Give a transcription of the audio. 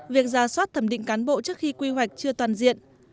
việc ra soát thẩm định cán bộ trước khi quy hoạch chưa toàn diện